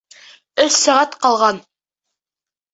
Өс сәғәт ҡалған!